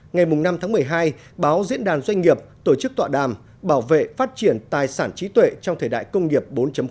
ngày năm tháng một mươi hai báo diễn đàn doanh nghiệp tổ chức tọa đàm bảo vệ phát triển tài sản trí tuệ trong thời đại công nghiệp bốn